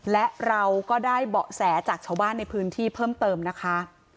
และเราก็ได้เบาะแสจากชาวบ้านในพื้นที่เพิ่มเติมนะคะ